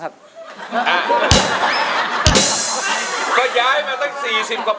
เพื่อจะไปชิงรางวัลเงินล้าน